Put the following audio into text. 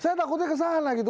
saya takutnya kesana gitu